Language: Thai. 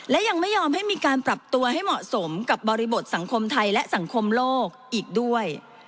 และยังไม่ยอมให้มีการปรับตัวให้เหมาะสมกับบริบทสังคมไทยและสังคมโลกอีกด้วย